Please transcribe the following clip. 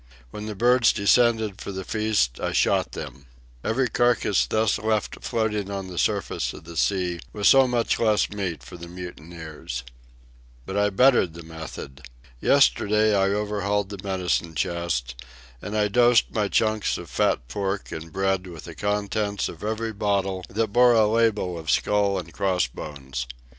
When the birds descended for the feast I shot them. Every carcass thus left floating on the surface of the sea was so much less meat for the mutineers. But I bettered the method. Yesterday I overhauled the medicine chest, and I dosed my chunks of fat pork and bread with the contents of every bottle that bore a label of skull and cross bones.